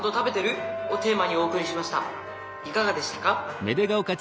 いかがでしたか？